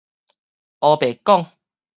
烏白講